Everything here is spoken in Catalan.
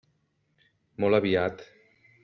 Molt aviat.